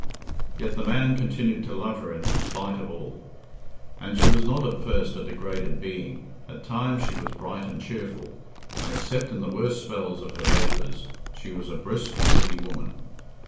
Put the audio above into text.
Yet the man continued to love her in spite of all. And she was not at first a degraded being. At times she was bright and cheerful, and, except in the worst spells of her vapours, she was a brisk and busy woman.